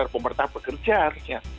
karena pemerintah bekerja harusnya